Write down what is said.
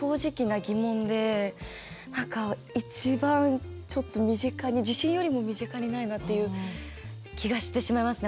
何か一番ちょっと身近に地震よりも身近にないなっていう気がしてしまいますね